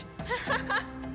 ハハハッ！